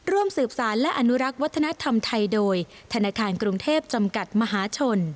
ร่วมสืบสารและอนุรักษ์วัฒนธรรมไทยโดยธนาคารกรุงเทพจำกัดมหาชน